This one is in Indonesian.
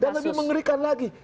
dan lebih mengerikan lagi